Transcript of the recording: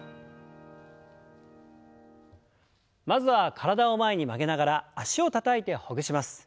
まずは体を前に曲げながら脚をたたいてほぐします。